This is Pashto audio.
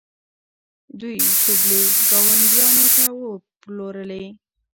دوی شوبلې ګاونډیانو ته وپلورلې.